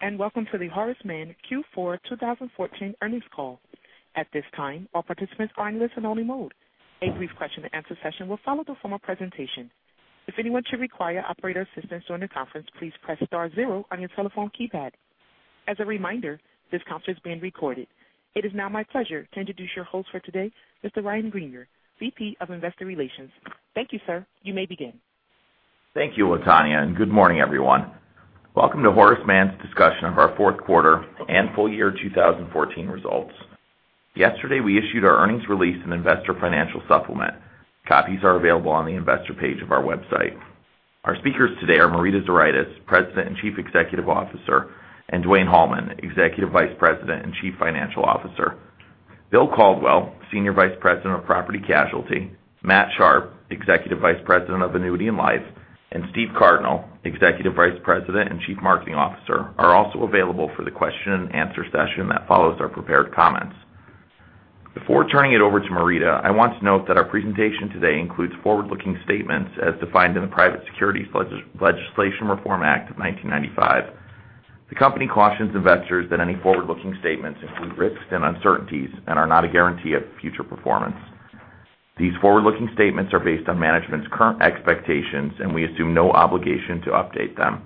Greetings. Welcome to the Horace Mann Q4 2014 earnings call. At this time, all participants are in listen-only mode. A brief question and answer session will follow the formal presentation. If anyone should require operator assistance during the conference, please press star zero on your telephone keypad. As a reminder, this conference is being recorded. It is now my pleasure to introduce your host for today, Mr. Ryan Greenier, VP of Investor Relations. Thank you, sir. You may begin. Thank you, Latonya. Good morning, everyone. Welcome to Horace Mann's discussion of our fourth quarter and full year 2014 results. Yesterday, we issued our earnings release and investor financial supplement. Copies are available on the investor page of our website. Our speakers today are Marita Zuraitis, President and Chief Executive Officer, and Dwayne Hallman, Executive Vice President and Chief Financial Officer. William Caldwell, Senior Vice President of Property Casualty, Matthew Sharpe, Executive Vice President of Annuity and Life, and Steve Cardinal, Executive Vice President and Chief Marketing Officer, are also available for the question and answer session that follows our prepared comments. Before turning it over to Marita, I want to note that our presentation today includes forward-looking statements as defined in the Private Securities Litigation Reform Act of 1995. The company cautions investors that any forward-looking statements include risks and uncertainties and are not a guarantee of future performance. These forward-looking statements are based on management's current expectations, and we assume no obligation to update them.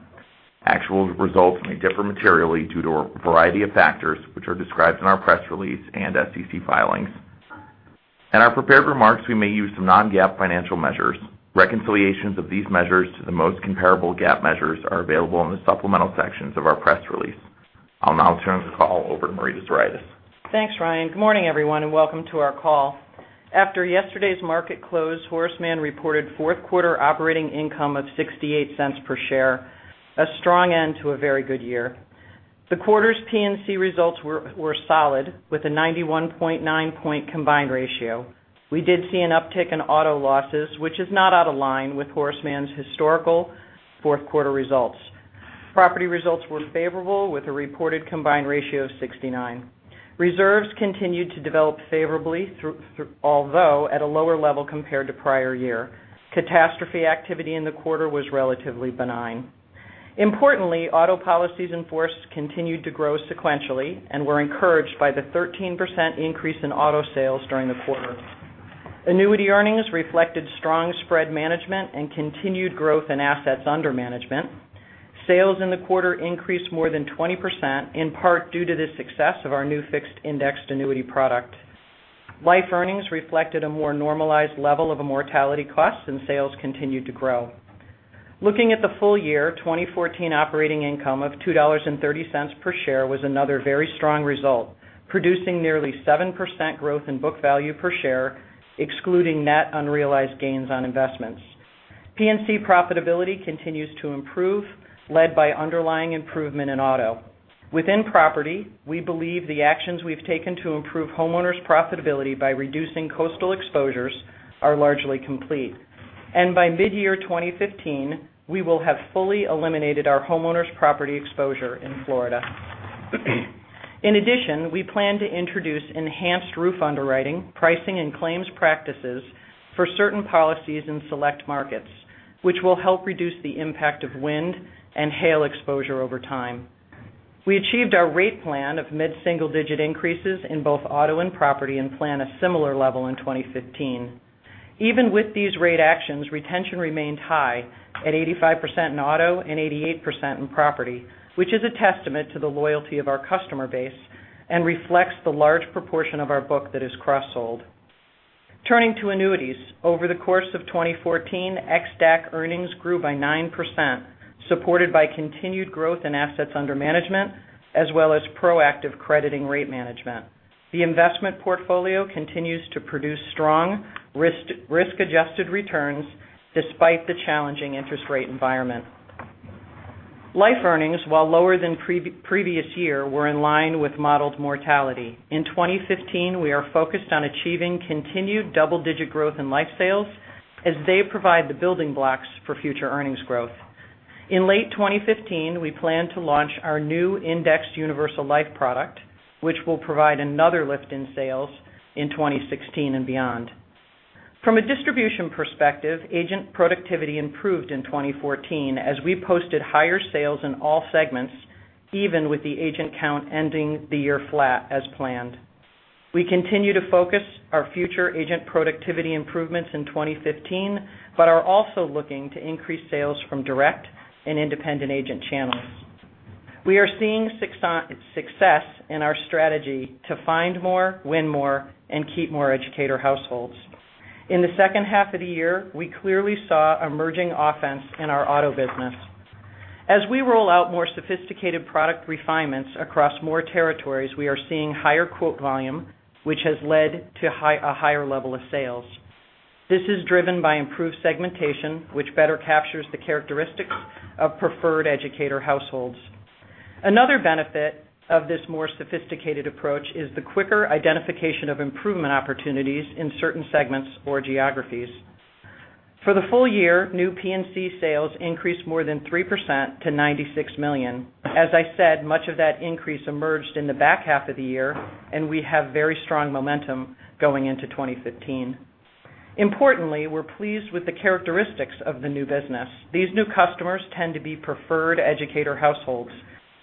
Actual results may differ materially due to a variety of factors, which are described in our press release and SEC filings. In our prepared remarks, we may use some non-GAAP financial measures. Reconciliations of these measures to the most comparable GAAP measures are available in the supplemental sections of our press release. I'll now turn the call over to Marita Zuraitis. Thanks, Ryan. Good morning, everyone. Welcome to our call. After yesterday's market close, Horace Mann reported fourth quarter operating income of $0.68 per share, a strong end to a very good year. The quarter's P&C results were solid, with a 91.9 point combined ratio. We did see an uptick in auto losses, which is not out of line with Horace Mann's historical fourth quarter results. Property results were favorable, with a reported combined ratio of 69. Reserves continued to develop favorably, although at a lower level compared to prior year. Catastrophe activity in the quarter was relatively benign. Importantly, auto policies in force continued to grow sequentially and were encouraged by the 13% increase in auto sales during the quarter. Annuity earnings reflected strong spread management and continued growth in assets under management. Sales in the quarter increased more than 20%, in part due to the success of our new fixed-indexed annuity product. Life earnings reflected a more normalized level of mortality costs, and sales continued to grow. Looking at the full year, 2014 operating income of $2.30 per share was another very strong result, producing nearly 7% growth in book value per share, excluding net unrealized gains on investments. P&C profitability continues to improve, led by underlying improvement in auto. Within property, we believe the actions we've taken to improve homeowners' profitability by reducing coastal exposures are largely complete. By mid-year 2015, we will have fully eliminated our homeowners property exposure in Florida. In addition, we plan to introduce enhanced roof underwriting, pricing, and claims practices for certain policies in select markets, which will help reduce the impact of wind and hail exposure over time. We achieved our rate plan of mid-single-digit increases in both auto and property and plan a similar level in 2015. Even with these rate actions, retention remained high at 85% in auto and 88% in property, which is a testament to the loyalty of our customer base and reflects the large proportion of our book that is cross-sold. Turning to annuities, over the course of 2014, ex-DAC earnings grew by 9%, supported by continued growth in assets under management, as well as proactive crediting rate management. The investment portfolio continues to produce strong risk-adjusted returns despite the challenging interest rate environment. Life earnings, while lower than previous year, were in line with modeled mortality. In 2015, we are focused on achieving continued double-digit growth in life sales as they provide the building blocks for future earnings growth. In late 2015, we plan to launch our new indexed universal life product, which will provide another lift in sales in 2016 and beyond. From a distribution perspective, agent productivity improved in 2014 as we posted higher sales in all segments, even with the agent count ending the year flat as planned. We continue to focus our future agent productivity improvements in 2015 but are also looking to increase sales from direct and independent agent channels. We are seeing success in our strategy to find more, win more, and keep more educator households. In the second half of the year, we clearly saw an emerging offense in our auto business. As we roll out more sophisticated product refinements across more territories, we are seeing higher quote volume, which has led to a higher level of sales. This is driven by improved segmentation, which better captures the characteristics of preferred educator households. Another benefit of this more sophisticated approach is the quicker identification of improvement opportunities in certain segments or geographies. For the full year, new P&C sales increased more than 3% to $96 million. As I said, much of that increase emerged in the back half of the year. We have very strong momentum going into 2015. Importantly, we're pleased with the characteristics of the new business. These new customers tend to be preferred educator households,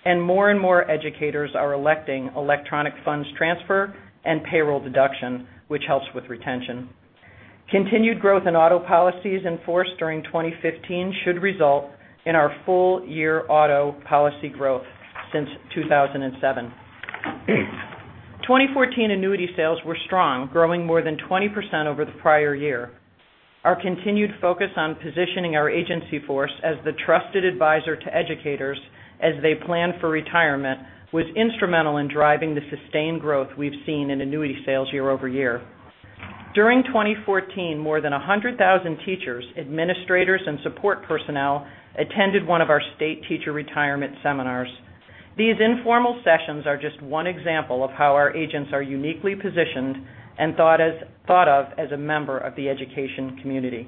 and more and more educators are electing electronic funds transfer and payroll deduction, which helps with retention. Continued growth in auto policies in force during 2015 should result in our full year auto policy growth since 2007. 2014 annuity sales were strong, growing more than 20% over the prior year. Our continued focus on positioning our agency force as the trusted advisor to educators as they plan for retirement was instrumental in driving the sustained growth we've seen in annuity sales year-over-year. During 2014, more than 100,000 teachers, administrators, and support personnel attended one of our state teacher retirement seminars. These informal sessions are just one example of how our agents are uniquely positioned and thought of as a member of the education community.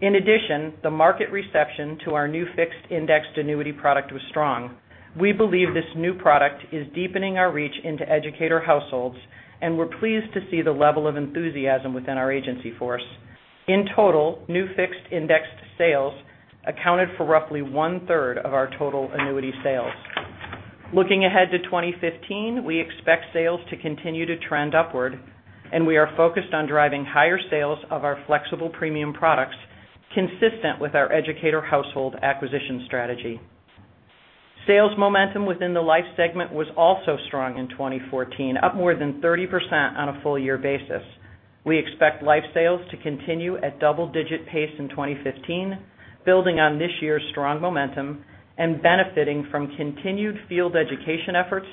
In addition, the market reception to our new fixed-indexed annuity product was strong. We believe this new product is deepening our reach into educator households, and we're pleased to see the level of enthusiasm within our agency force. In total, new fixed-indexed sales accounted for roughly one-third of our total annuity sales. Looking ahead to 2015, we expect sales to continue to trend upward. We are focused on driving higher sales of our flexible premium products consistent with our educator household acquisition strategy. Sales momentum within the life segment was also strong in 2014, up more than 30% on a full year basis. We expect life sales to continue at double-digit pace in 2015, building on this year's strong momentum and benefiting from continued field education efforts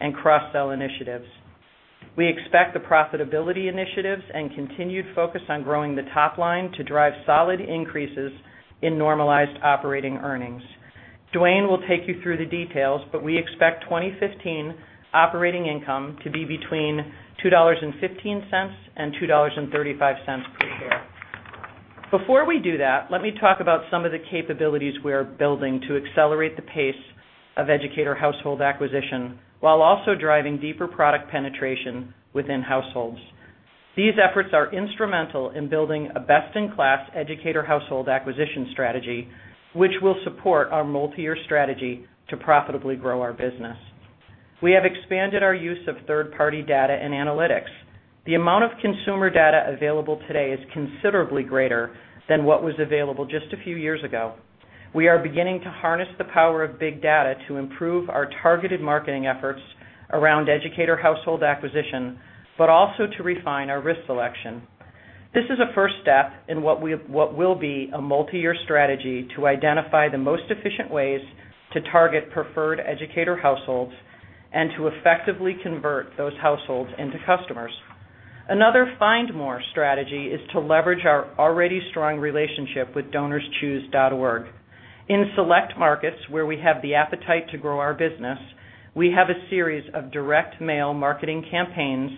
and cross-sell initiatives. We expect the profitability initiatives and continued focus on growing the top line to drive solid increases in normalized operating earnings. Dwayne will take you through the details, but we expect 2015 operating income to be between $2.15 and $2.35 per share. Before we do that, let me talk about some of the capabilities we are building to accelerate the pace of educator household acquisition while also driving deeper product penetration within households. These efforts are instrumental in building a best-in-class educator household acquisition strategy, which will support our multi-year strategy to profitably grow our business. We have expanded our use of third-party data and analytics. The amount of consumer data available today is considerably greater than what was available just a few years ago. We are beginning to harness the power of big data to improve our targeted marketing efforts around educator household acquisition, but also to refine our risk selection. This is a first step in what will be a multi-year strategy to identify the most efficient ways to target preferred educator households and to effectively convert those households into customers. Another find more strategy is to leverage our already strong relationship with DonorsChoose.org. In select markets where we have the appetite to grow our business, we have a series of direct mail marketing campaigns,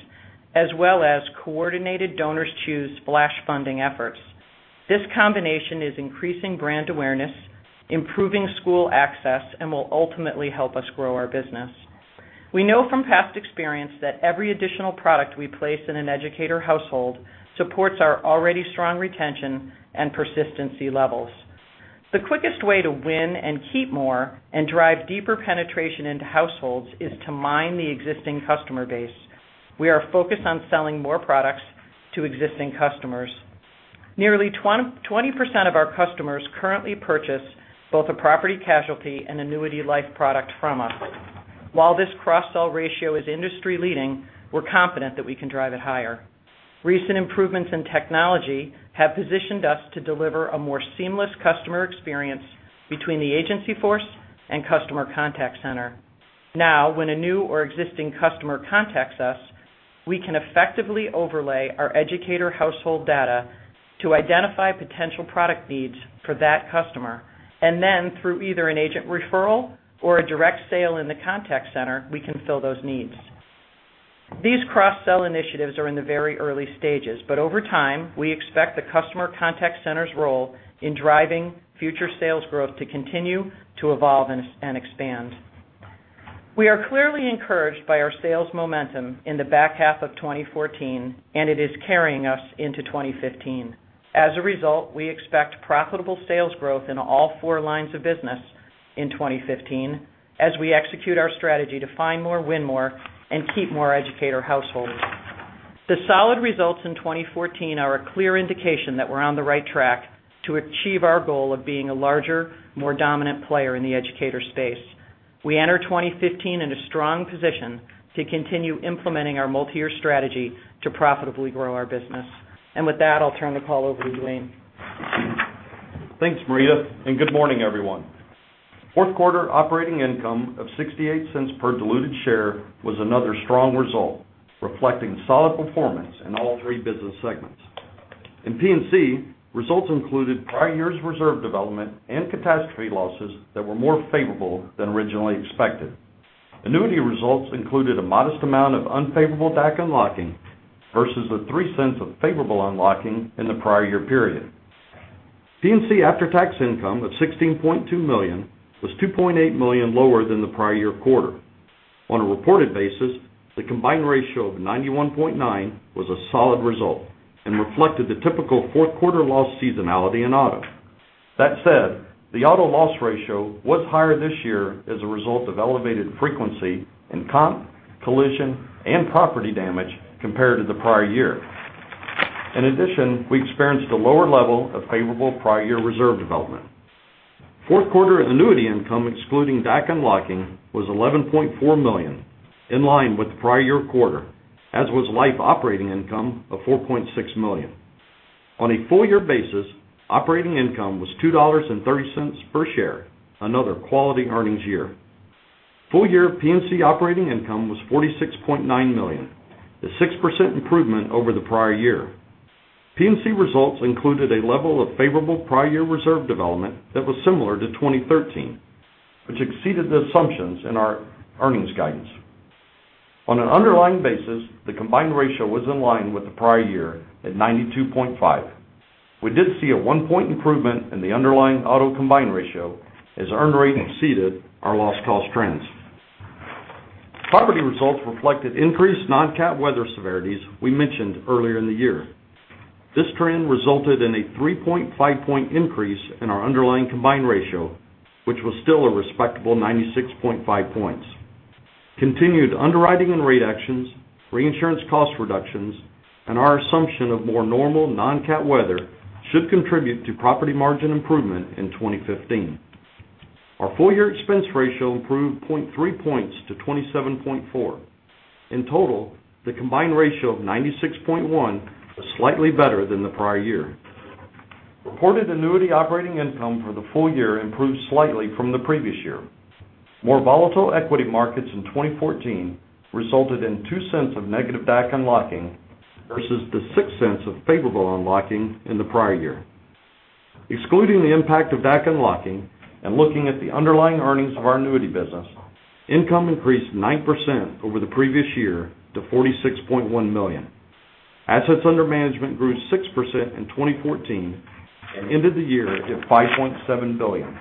as well as coordinated DonorsChoose flash funding efforts. This combination is increasing brand awareness, improving school access, will ultimately help us grow our business. We know from past experience that every additional product we place in an educator household supports our already strong retention and persistency levels. The quickest way to win and keep more and drive deeper penetration into households is to mine the existing customer base. We are focused on selling more products to existing customers. Nearly 20% of our customers currently purchase both a property casualty and annuity life product from us. While this cross-sell ratio is industry-leading, we're confident that we can drive it higher. Recent improvements in technology have positioned us to deliver a more seamless customer experience between the agency force and customer contact center. Now, when a new or existing customer contacts us, we can effectively overlay our educator household data to identify potential product needs for that customer, and then through either an agent referral or a direct sale in the contact center, we can fill those needs. These cross-sell initiatives are in the very early stages, but over time, we expect the customer contact center's role in driving future sales growth to continue to evolve and expand. We are clearly encouraged by our sales momentum in the back half of 2014, and it is carrying us into 2015. As a result, we expect profitable sales growth in all four lines of business in 2015 as we execute our strategy to find more, win more, and keep more educator households. The solid results in 2014 are a clear indication that we're on the right track to achieve our goal of being a larger, more dominant player in the educator space. We enter 2015 in a strong position to continue implementing our multi-year strategy to profitably grow our business. With that, I'll turn the call over to Dwayne. Thanks, Marita, and good morning, everyone. Fourth quarter operating income of $0.68 per diluted share was another strong result, reflecting solid performance in all three business segments. In P&C, results included prior year's reserve development and catastrophe losses that were more favorable than originally expected. Annuity results included a modest amount of unfavorable DAC unlocking versus the $0.03 of favorable unlocking in the prior year period. P&C after-tax income of $16.2 million was $2.8 million lower than the prior year quarter. On a reported basis, the combined ratio of 91.9% was a solid result and reflected the typical fourth quarter loss seasonality in auto. That said, the auto loss ratio was higher this year as a result of elevated frequency in comp, collision, and property damage compared to the prior year. In addition, we experienced a lower level of favorable prior year reserve development. Fourth quarter annuity income, excluding DAC unlocking, was $11.4 million, in line with the prior year quarter, as was life operating income of $4.6 million. On a full year basis, operating income was $2.30 per share, another quality earnings year. Full year P&C operating income was $46.9 million, a 6% improvement over the prior year. P&C results included a level of favorable prior year reserve development that was similar to 2013, which exceeded the assumptions in our earnings guidance. On an underlying basis, the combined ratio was in line with the prior year at 92.5%. We did see a one point improvement in the underlying auto combined ratio as earned rate exceeded our loss cost trends. Property results reflected increased non-cat weather severities we mentioned earlier in the year. This trend resulted in a 3.5-point increase in our underlying combined ratio, which was still a respectable 96.5 points. Continued underwriting and rate actions, reinsurance cost reductions, and our assumption of more normal non-cat weather should contribute to property margin improvement in 2015. Our full year expense ratio improved 0.3 points to 27.4%. In total, the combined ratio of 96.1% was slightly better than the prior year. Reported annuity operating income for the full year improved slightly from the previous year. More volatile equity markets in 2014 resulted in $0.02 of negative DAC unlocking versus the $0.06 of favorable unlocking in the prior year. Excluding the impact of DAC unlocking and looking at the underlying earnings of our annuity business, income increased 9% over the previous year to $46.1 million. Assets under management grew 6% in 2014 and ended the year at $5.7 billion.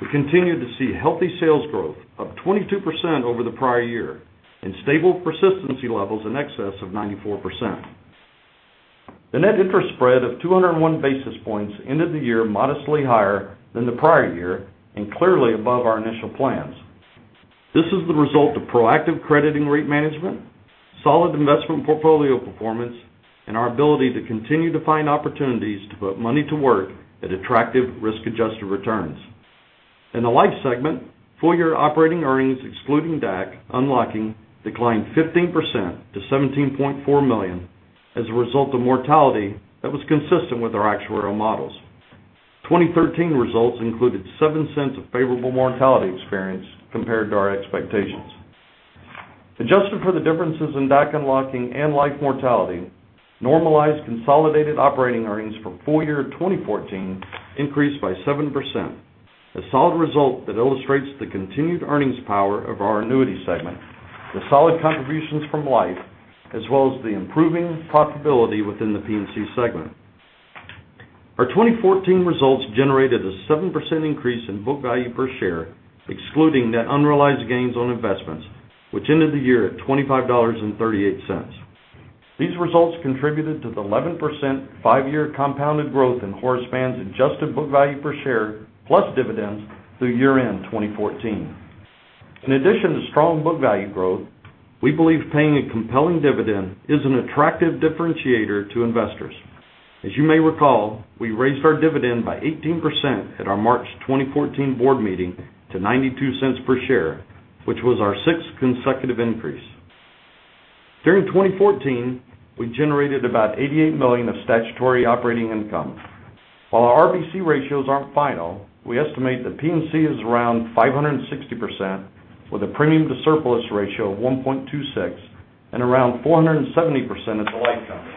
We continued to see healthy sales growth of 22% over the prior year and stable persistency levels in excess of 94%. The net interest spread of 201 basis points ended the year modestly higher than the prior year and clearly above our initial plans. This is the result of proactive crediting rate management, solid investment portfolio performance, and our ability to continue to find opportunities to put money to work at attractive risk-adjusted returns. In the life segment, full year operating earnings excluding DAC unlocking declined 15% to $17.4 million as a result of mortality that was consistent with our actuarial models. 2013 results included $0.07 of favorable mortality experience compared to our expectations. Adjusted for the differences in DAC unlocking and life mortality, normalized consolidated operating earnings for full year 2014 increased by 7%, a solid result that illustrates the continued earnings power of our annuity segment, the solid contributions from life, as well as the improving profitability within the P&C segment. Our 2014 results generated a 7% increase in book value per share, excluding net unrealized gains on investments, which ended the year at $25.38. These results contributed to the 11% five-year compounded growth in Horace Mann's adjusted book value per share plus dividends through year-end 2014. In addition to strong book value growth, we believe paying a compelling dividend is an attractive differentiator to investors. As you may recall, we raised our dividend by 18% at our March 2014 board meeting to $0.92 per share, which was our sixth consecutive increase. During 2014, we generated about $88 million of statutory operating income. While our RBC ratios aren't final, we estimate that P&C is around 560%, with a premium to surplus ratio of 1.26 and around 470% at the life company.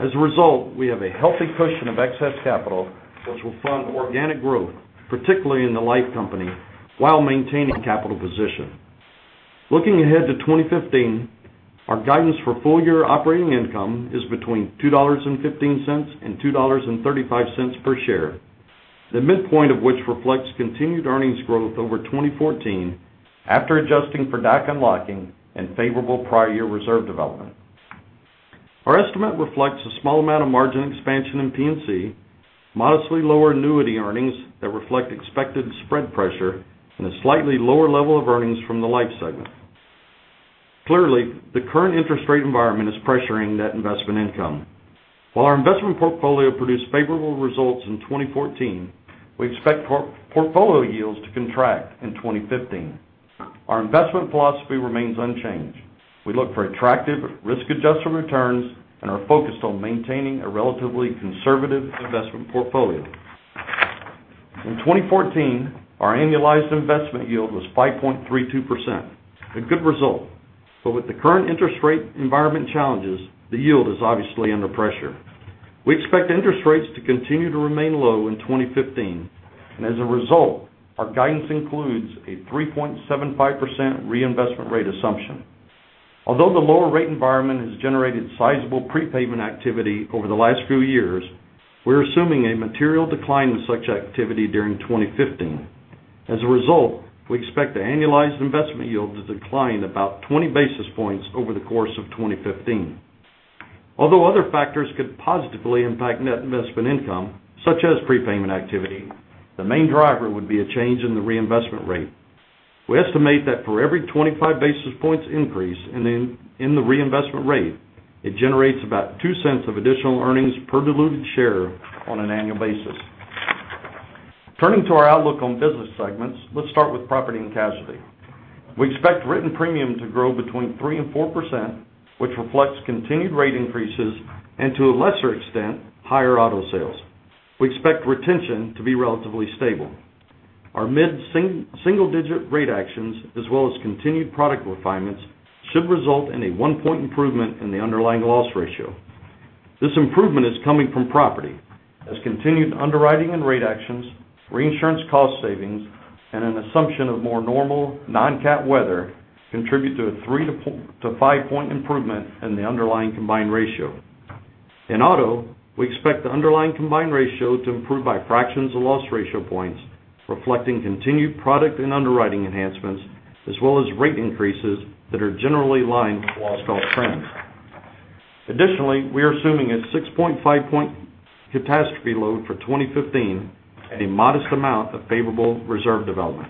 As a result, we have a healthy cushion of excess capital, which will fund organic growth, particularly in the life company, while maintaining capital position. Looking ahead to 2015, our guidance for full year operating income is between $2.15 and $2.35 per share, the midpoint of which reflects continued earnings growth over 2014 after adjusting for DAC unlocking and favorable prior year reserve development. Our estimate reflects a small amount of margin expansion in P&C, modestly lower annuity earnings that reflect expected spread pressure, and a slightly lower level of earnings from the life segment. Clearly, the current interest rate environment is pressuring net investment income. While our investment portfolio produced favorable results in 2014, we expect portfolio yields to contract in 2015. Our investment philosophy remains unchanged. We look for attractive risk-adjusted returns and are focused on maintaining a relatively conservative investment portfolio. In 2014, our annualized investment yield was 5.32%, a good result. With the current interest rate environment challenges, the yield is obviously under pressure. We expect interest rates to continue to remain low in 2015. As a result, our guidance includes a 3.75% reinvestment rate assumption. Although the lower rate environment has generated sizable prepayment activity over the last few years, we're assuming a material decline in such activity during 2015. As a result, we expect the annualized investment yield to decline about 20 basis points over the course of 2015. Although other factors could positively impact net investment income, such as prepayment activity, the main driver would be a change in the reinvestment rate. We estimate that for every 25 basis points increase in the reinvestment rate, it generates about $0.02 of additional earnings per diluted share on an annual basis. Turning to our outlook on business segments, let's start with Property & Casualty. We expect written premium to grow between 3%-4%, which reflects continued rate increases and to a lesser extent, higher auto sales. We expect retention to be relatively stable. Our mid-single-digit rate actions as well as continued product refinements should result in a one-point improvement in the underlying loss ratio. This improvement is coming from property as continued underwriting and rate actions, reinsurance cost savings, and an assumption of more normal non-CAT weather contribute to a 3- to 5-point improvement in the underlying combined ratio. In auto, we expect the underlying combined ratio to improve by fractions of loss ratio points, reflecting continued product and underwriting enhancements, as well as rate increases that are generally in line with loss cost trends. Additionally, we are assuming a 6.5-point catastrophe load for 2015 and a modest amount of favorable reserve development.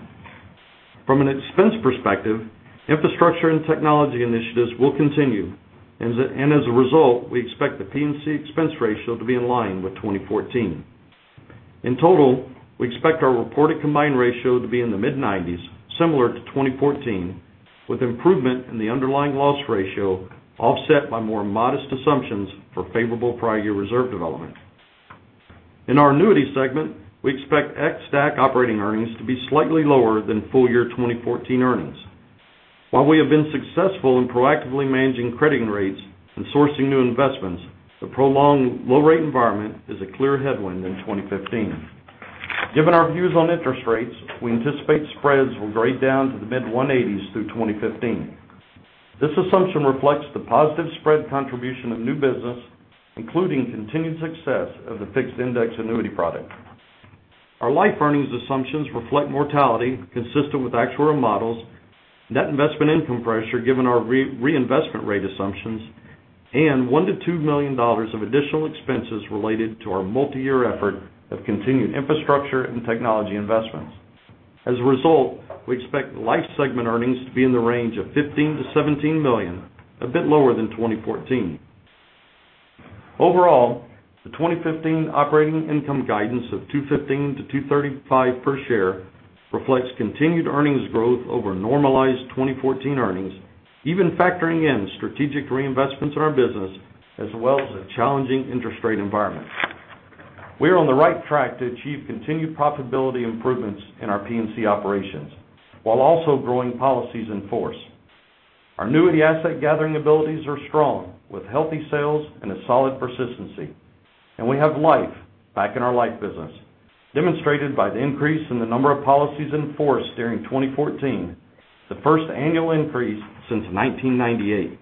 From an expense perspective, infrastructure and technology initiatives will continue. As a result, we expect the P&C expense ratio to be in line with 2014. In total, we expect our reported combined ratio to be in the mid-90s, similar to 2014, with improvement in the underlying loss ratio offset by more modest assumptions for favorable prior year reserve development. In our annuity segment, we expect ex-DAC operating earnings to be slightly lower than full year 2014 earnings. While we have been successful in proactively managing crediting rates and sourcing new investments, the prolonged low-rate environment is a clear headwind in 2015. Given our views on interest rates, we anticipate spreads will grade down to the mid-180s through 2015. This assumption reflects the positive spread contribution of new business, including continued success of the fixed-indexed annuity product. Our life earnings assumptions reflect mortality consistent with actuarial models, net investment income pressure given our reinvestment rate assumptions, and $1 million-$2 million of additional expenses related to our multi-year effort of continued infrastructure and technology investments. As a result, we expect life segment earnings to be in the range of $15 million-$17 million, a bit lower than 2014. Overall, the 2015 operating income guidance of $2.15-$2.35 per share reflects continued earnings growth over normalized 2014 earnings, even factoring in strategic reinvestments in our business, as well as a challenging interest rate environment. We are on the right track to achieve continued profitability improvements in our P&C operations, while also growing policies in force. Our annuity asset gathering abilities are strong with healthy sales and a solid persistency. And we have life back in our life business, demonstrated by the increase in the number of policies in force during 2014, the first annual increase since 1998.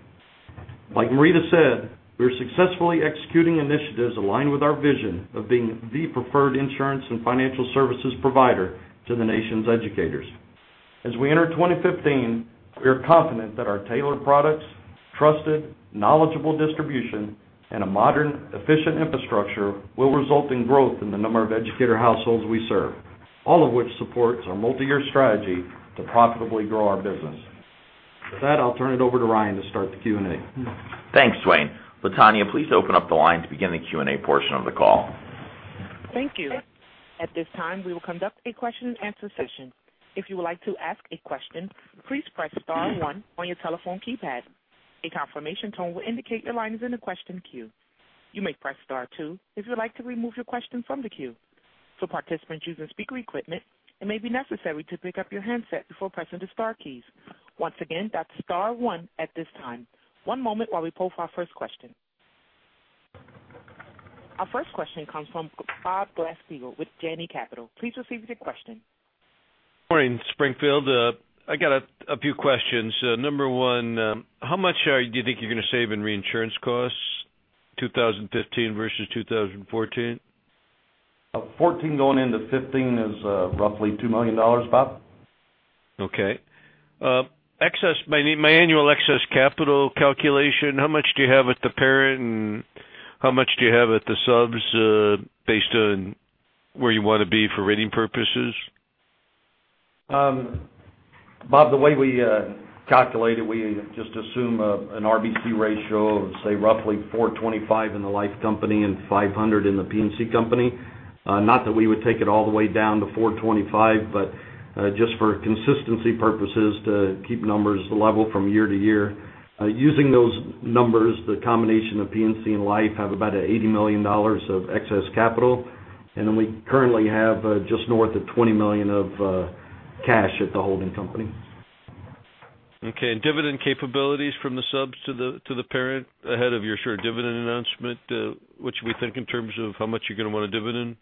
Like Marita said, we are successfully executing initiatives aligned with our vision of being the preferred insurance and financial services provider to the nation's educators. As we enter 2015, we are confident that our tailored products, trusted, knowledgeable distribution, and a modern, efficient infrastructure will result in growth in the number of educator households we serve. All of which supports our multi-year strategy to profitably grow our business. With that, I'll turn it over to Ryan to start the Q&A. Thanks, Dwayne. Latonya, please open up the line to begin the Q&A portion of the call. Thank you. At this time, we will conduct a question and answer session. If you would like to ask a question, please press star one on your telephone keypad. A confirmation tone will indicate your line is in the question queue. You may press star two if you'd like to remove your question from the queue. For participants using speaker equipment, it may be necessary to pick up your handset before pressing the star keys. Once again, that's star one at this time. One moment while we poll for our first question. Our first question comes from Bob Glasspiegel with Janney Capital. Please proceed with your question. Morning, Springfield. I got a few questions. Number one, how much do you think you're going to save in reinsurance costs 2015 versus 2014? 2014 going into 2015 is roughly $2 million, Bob. Okay. My annual excess capital calculation, how much do you have at the parent, and how much do you have at the subs, based on where you want to be for rating purposes? Bob, the way we calculate it, we just assume an RBC ratio of, say, roughly 425 in the life company and 500 in the P&C company. Not that we would take it all the way down to 425, but just for consistency purposes to keep numbers level from year to year. Using those numbers, the combination of P&C and life have about $80 million of excess capital, and then we currently have just north of $20 million of cash at the holding company. Okay, dividend capabilities from the subs to the parent ahead of your share dividend announcement, what should we think in terms of how much you're going to want to dividend?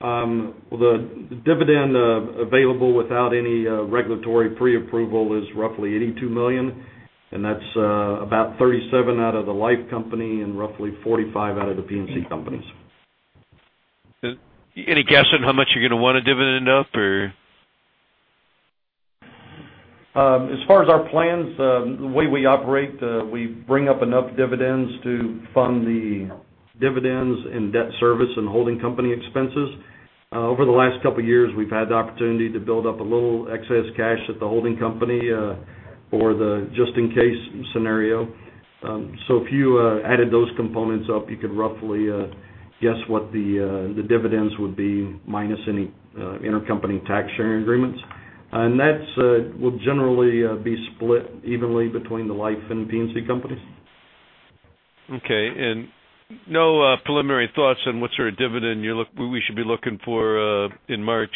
The dividend available without any regulatory preapproval is roughly $82 million. That's about $37 million out of the life company and roughly $45 million out of the P&C companies. Any guess on how much you're going to want to dividend up or? As far as our plans, the way we operate, we bring up enough dividends to fund the dividends and debt service and holding company expenses. Over the last couple of years, we've had the opportunity to build up a little excess cash at the holding company for the just in case scenario. If you added those components up, you could roughly guess what the dividends would be, minus any intercompany tax sharing agreements. That will generally be split evenly between the life and P&C companies. Okay. No preliminary thoughts on what sort of dividend we should be looking for in March?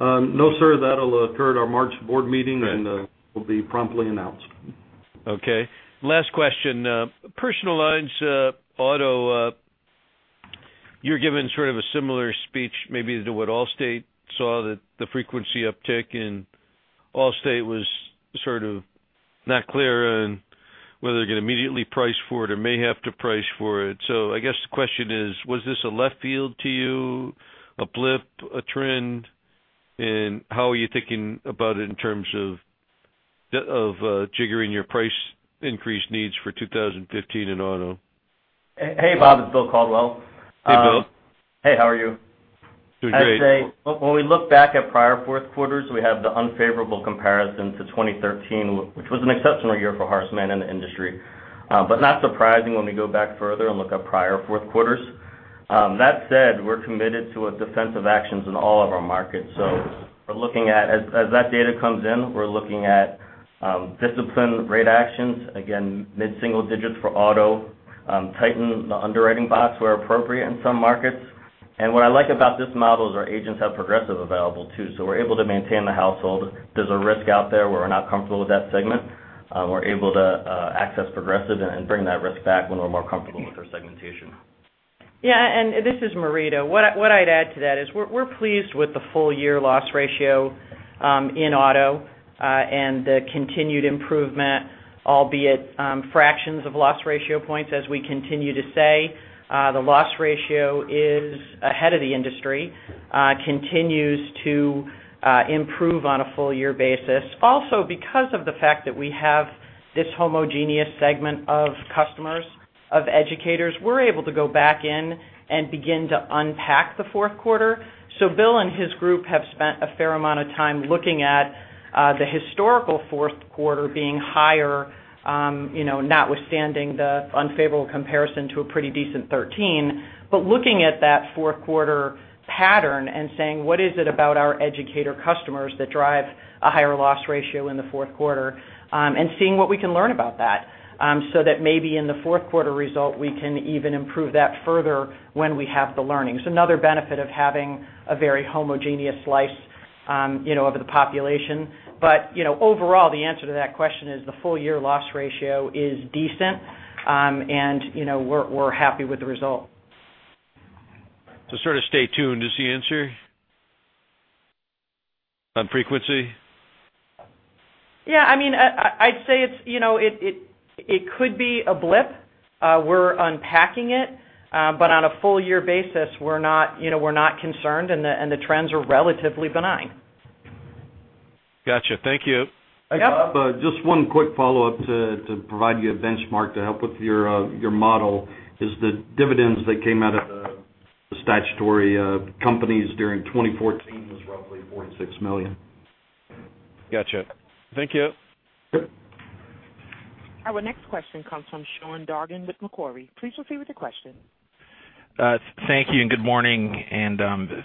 No, sir. That'll occur at our March board meeting, and will be promptly announced. Okay. Last question. Personal lines auto, you're giving sort of a similar speech maybe to what Allstate saw, that the frequency uptick in Allstate was sort of not clear on whether they're going to immediately price for it or may have to price for it. I guess the question is: Was this a left field to you, a blip, a trend? How are you thinking about it in terms of figuring your price increase needs for 2015 in auto? Hey, Bob, it's William Caldwell. Hey, Bill. Hey, how are you? Doing great. I'd say when we look back at prior fourth quarters, we have the unfavorable comparison to 2013, which was an exceptional year for Horace Mann and the industry. Not surprising when we go back further and look at prior fourth quarters. That said, we're committed to defensive actions in all of our markets. As that data comes in, we're looking at disciplined rate actions, again, mid-single digits for auto, tighten the underwriting box where appropriate in some markets. What I like about this model is our agents have Progressive available too, so we're able to maintain the household. If there's a risk out there where we're not comfortable with that segment, we're able to access Progressive and bring that risk back when we're more comfortable with our segmentation. Yeah. This is Marita. What I'd add to that is we're pleased with the full-year loss ratio in auto and the continued improvement, albeit fractions of loss ratio points. As we continue to say, the loss ratio is ahead of the industry, continues to improve on a full-year basis. Also, because of the fact that we have this homogeneous segment of customers, of educators, we're able to go back in and begin to unpack the fourth quarter. Bill and his group have spent a fair amount of time looking at the historical fourth quarter being higher, notwithstanding the unfavorable comparison to a pretty decent 2013. Looking at that fourth quarter pattern and saying, what is it about our educator customers that drive a higher loss ratio in the fourth quarter? Seeing what we can learn about that maybe in the fourth quarter result, we can even improve that further when we have the learnings. Another benefit of having a very homogeneous slice of the population. Overall, the answer to that question is the full-year loss ratio is decent, and we're happy with the result. To sort of stay tuned is the answer on frequency? Yeah, I'd say it could be a blip. We're unpacking it, but on a full-year basis, we're not concerned, and the trends are relatively benign. Got you. Thank you. Yep. Hey, Bob, just one quick follow-up to provide you a benchmark to help with your model is the dividends that came out of the statutory companies during 2014 was roughly $46 million. Got you. Thank you. Our next question comes from Sean Dargan with Macquarie. Please proceed with your question. Thank you. Good morning,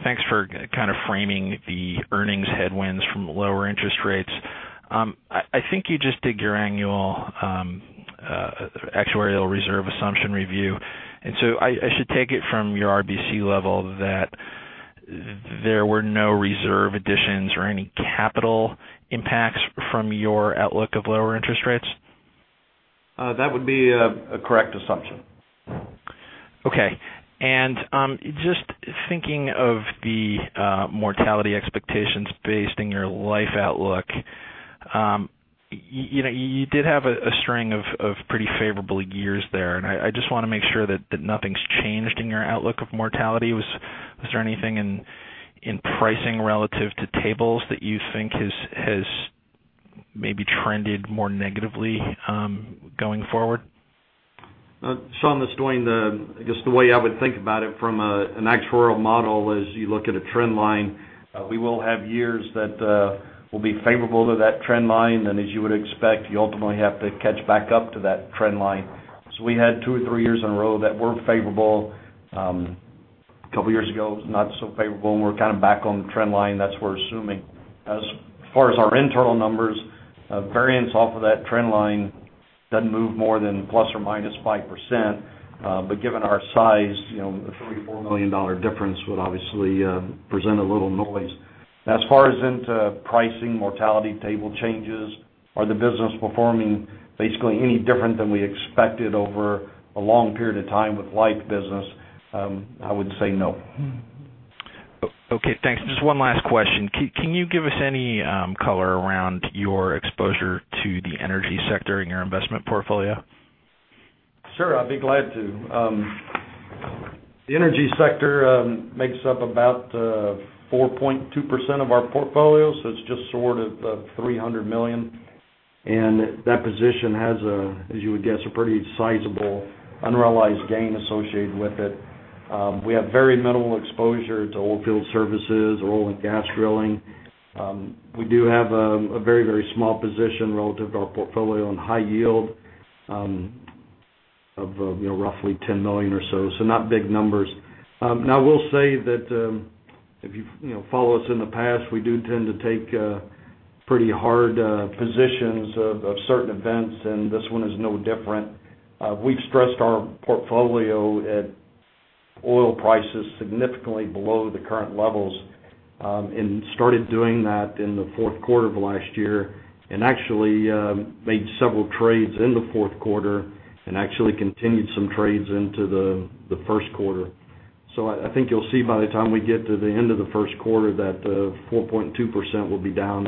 thanks for kind of framing the earnings headwinds from lower interest rates. I think you just did your annual actuarial reserve assumption review, so I should take it from your RBC level that there were no reserve additions or any capital impacts from your outlook of lower interest rates? That would be a correct assumption. Just thinking of the mortality expectations based in your life outlook. You did have a string of pretty favorable years there, and I just want to make sure that nothing's changed in your outlook of mortality. Was there anything in pricing relative to tables that you think has maybe trended more negatively going forward? Sean, this is Dwayne. I guess the way I would think about it from an actuarial model is you look at a trend line. We will have years that will be favorable to that trend line, and as you would expect, you ultimately have to catch back up to that trend line. We had two or three years in a row that were favorable. A couple of years ago, it was not so favorable, and we're kind of back on the trend line. That's what we're assuming. As far as our internal numbers, variance off of that trend line doesn't move more than ±5%. Given our size, a $34 million difference would obviously present a little noise. As far as into pricing mortality table changes, are the business performing basically any different than we expected over a long period of time with life business? I would say no. Okay, thanks. Just one last question. Can you give us any color around your exposure to the energy sector in your investment portfolio? Sure, I'd be glad to. The energy sector makes up about 4.2% of our portfolio, so it's just sort of $300 million. That position has, as you would guess, a pretty sizable unrealized gain associated with it. We have very minimal exposure to oil field services or oil and gas drilling. We do have a very small position relative to our portfolio on high yield of roughly $10 million or so. Not big numbers. I will say that, if you follow us in the past, we do tend to take pretty hard positions of certain events, and this one is no different. We've stressed our portfolio at oil prices significantly below the current levels, started doing that in the fourth quarter of last year. Actually made several trades in the fourth quarter and actually continued some trades into the first quarter. I think you'll see by the time we get to the end of the first quarter that the 4.2% will be down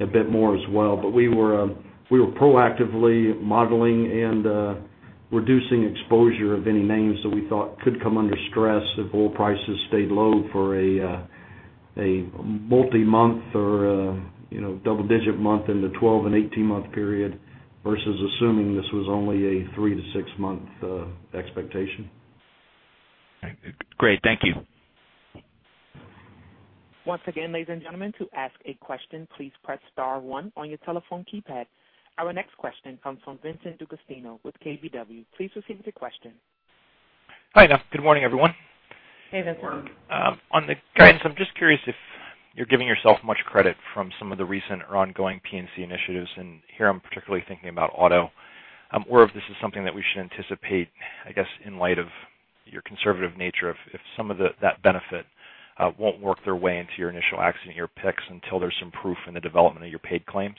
a bit more as well. We were proactively modeling and reducing exposure of any names that we thought could come under stress if oil prices stayed low for a multi-month or double-digit month in the 12- and 18-month period, versus assuming this was only a three- to six-month expectation. Great. Thank you. Once again, ladies and gentlemen, to ask a question, please press star one on your telephone keypad. Our next question comes from Vincent DeAugustino with KBW. Please proceed with your question. Hi. Good morning, everyone. Hey, Vincent. On the guidance, I'm just curious if you're giving yourself much credit from some of the recent or ongoing P&C initiatives, and here I'm particularly thinking about auto, or if this is something that we should anticipate, I guess, in light of your conservative nature, if some of that benefit won't work their way into your initial accident year picks until there's some proof in the development of your paid claims.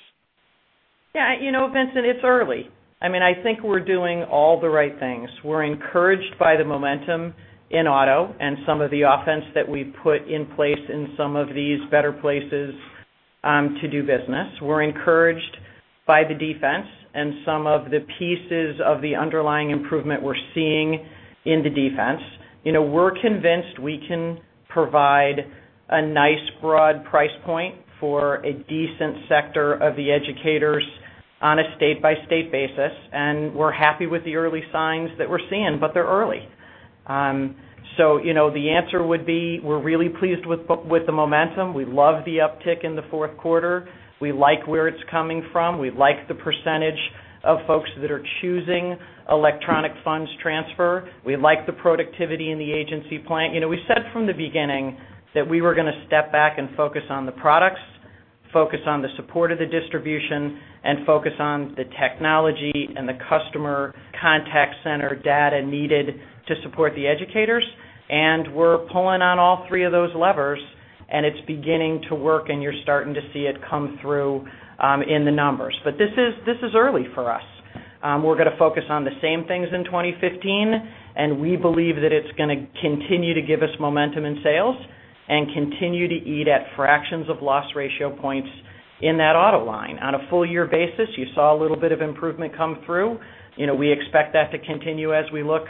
Yeah, Vincent, it's early. I think we're doing all the right things. We're encouraged by the momentum in auto and some of the offense that we've put in place in some of these better places to do business. We're encouraged by the defense and some of the pieces of the underlying improvement we're seeing in the defense. We're convinced we can provide a nice broad price point for a decent sector of the educators on a state-by-state basis, and we're happy with the early signs that we're seeing, but they're early. The answer would be, we're really pleased with the momentum. We love the uptick in the fourth quarter. We like where it's coming from. We like the percentage of folks that are choosing electronic funds transfer. We like the productivity in the agency plan. We said from the beginning that we were going to step back and focus on the products, focus on the support of the distribution, and focus on the technology and the customer contact center data needed to support the educators. We're pulling on all three of those levers, and it's beginning to work, and you're starting to see it come through in the numbers. This is early for us. We're going to focus on the same things in 2015, and we believe that it's going to continue to give us momentum in sales and continue to eat at fractions of loss ratio points in that auto line. On a full year basis, you saw a little bit of improvement come through. We expect that to continue as we look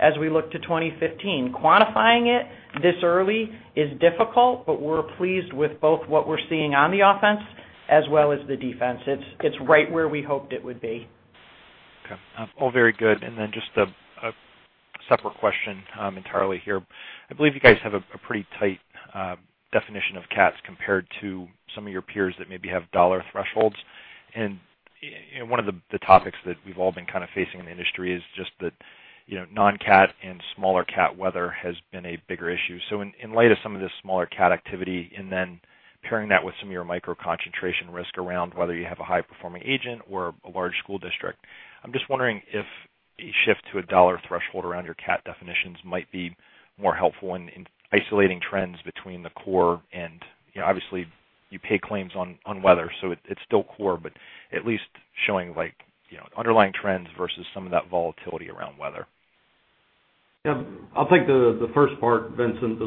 to 2015. Quantifying it this early is difficult, but we're pleased with both what we're seeing on the offense as well as the defense. It's right where we hoped it would be. Okay. All very good. Just a separate question entirely here. I believe you guys have a pretty tight definition of CATs compared to some of your peers that maybe have dollar thresholds. One of the topics that we've all been kind of facing in the industry is just that non-CAT and smaller CAT weather has been a bigger issue. In light of some of this smaller CAT activity, and then pairing that with some of your micro concentration risk around whether you have a high performing agent or a large school district, I'm just wondering if a shift to a dollar threshold around your CAT definitions might be more helpful in isolating trends between the core and obviously you pay claims on weather, so it's still core, but at least showing underlying trends versus some of that volatility around weather. I'll take the first part, Vincent,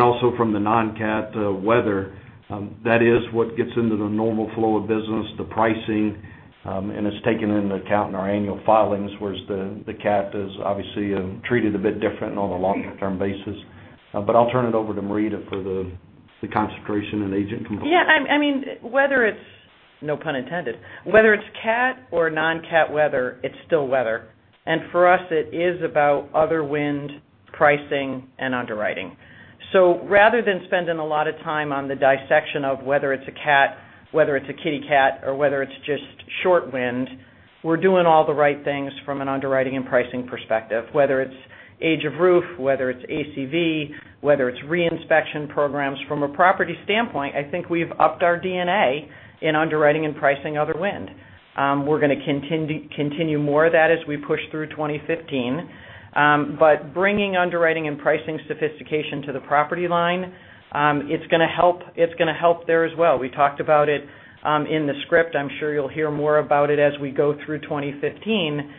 also from the non-cat weather, that is what gets into the normal flow of business, the pricing, and it's taken into account in our annual filings, whereas the cat is obviously treated a bit different on a longer-term basis. I'll turn it over to Marita for the concentration and agent component. Whether it's, no pun intended, whether it's cat or non-cat weather, it's still weather. For us, it is about other wind pricing and underwriting. Rather than spending a lot of time on the dissection of whether it's a cat, whether it's a kitty cat, or whether it's just short wind, we're doing all the right things from an underwriting and pricing perspective. Whether it's age of roof, whether it's ACV, whether it's re-inspection programs. From a property standpoint, I think we've upped our DNA in underwriting and pricing other wind. We're going to continue more of that as we push through 2015. Bringing underwriting and pricing sophistication to the property line, it's going to help there as well. We talked about it in the script. I'm sure you'll hear more about it as we go through 2015.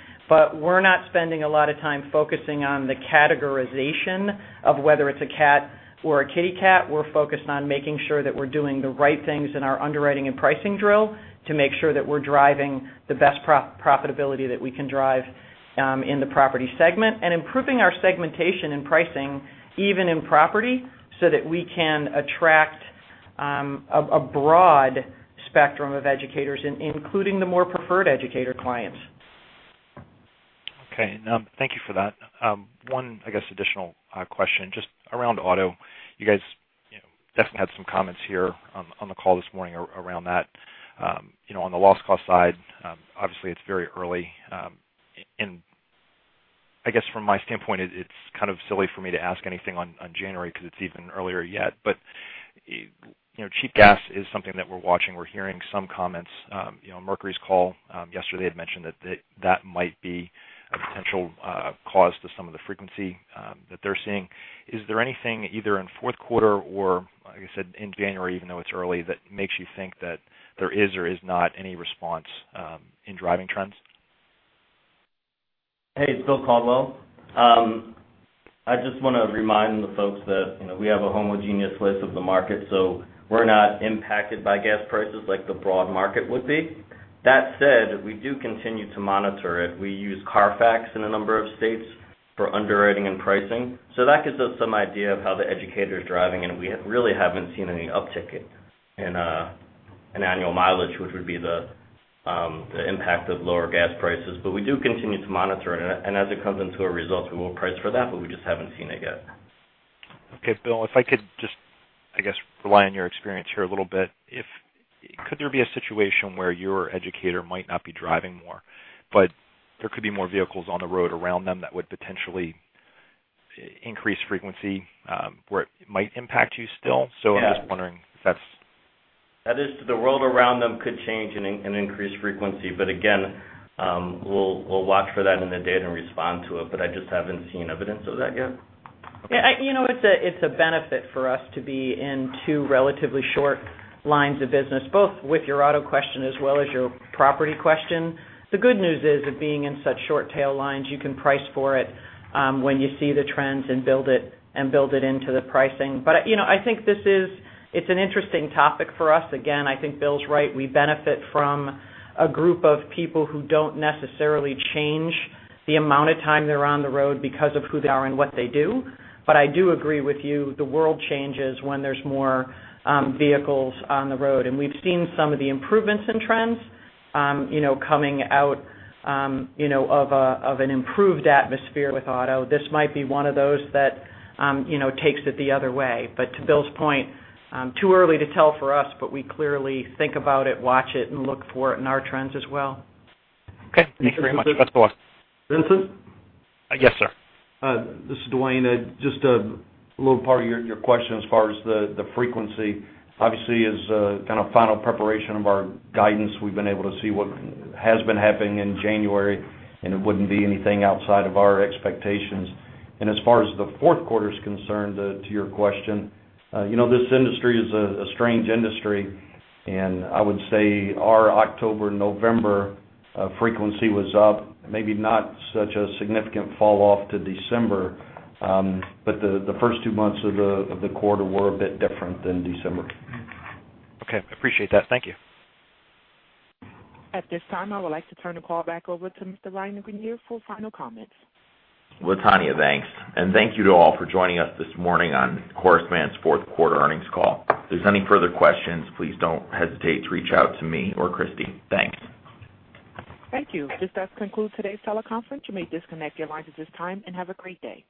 We're not spending a lot of time focusing on the categorization of whether it's a cat or a kitty cat. We're focused on making sure that we're doing the right things in our underwriting and pricing drill to make sure that we're driving the best profitability that we can drive in the property segment. Improving our segmentation and pricing, even in property, so that we can attract a broad spectrum of educators, including the more preferred educator clients. Thank you for that. One additional question, just around auto. You guys definitely had some comments here on the call this morning around that. On the loss cost side, obviously it's very early. I guess from my standpoint, it's kind of silly for me to ask anything on January because it's even earlier yet. Cheap gas is something that we're watching. We're hearing some comments. On Mercury's call yesterday, it mentioned that that might be a potential cause to some of the frequency that they're seeing. Is there anything either in fourth quarter or, like I said, in January, even though it's early, that makes you think that there is or is not any response in driving trends? Hey, it's William Caldwell. I just want to remind the folks that we have a homogeneous list of the market, we're not impacted by gas prices like the broad market would be. That said, we do continue to monitor it. We use CARFAX in a number of states for underwriting and pricing. That gives us some idea of how the educator is driving, and we really haven't seen any uptick in annual mileage, which would be the impact of lower gas prices. We do continue to monitor it, and as it comes into our results, we will price for that, we just haven't seen it yet. Okay, Bill, if I could just rely on your experience here a little bit. Could there be a situation where your educator might not be driving more, but there could be more vehicles on the road around them that would potentially increase frequency where it might impact you still? Yeah. I'm just wondering. That is, the world around them could change and increase frequency. Again, we'll watch for that in the data and respond to it, I just haven't seen evidence of that yet. Okay. It's a benefit for us to be in two relatively short lines of business, both with your auto question as well as your property question. The good news is that being in such short tail lines, you can price for it when you see the trends and build it into the pricing. I think it's an interesting topic for us. Again, I think Bill's right. We benefit from a group of people who don't necessarily change the amount of time they're on the road because of who they are and what they do. I do agree with you, the world changes when there's more vehicles on the road. We've seen some of the improvements in trends coming out of an improved atmosphere with auto. This might be one of those that takes it the other way. To Bill's point, too early to tell for us, but we clearly think about it, watch it, and look for it in our trends as well. Okay. Thank you very much. Best of luck. Vincent? Yes, sir. This is Dwayne. Just a little part of your question as far as the frequency. Obviously, as a kind of final preparation of our guidance, we've been able to see what has been happening in January, and it wouldn't be anything outside of our expectations. As far as the fourth quarter is concerned, to your question, this industry is a strange industry, and I would say our October, November frequency was up, maybe not such a significant fall off to December. The first two months of the quarter were a bit different than December. Okay. I appreciate that. Thank you. At this time, I would like to turn the call back over to Mr. Ryan Greenier for final comments. Latonya, thanks. Thank you to all for joining us this morning on Horace Mann's fourth quarter earnings call. If there's any further questions, please don't hesitate to reach out to me or Christy. Thanks. Thank you. This does conclude today's teleconference. You may disconnect your lines at this time, and have a great day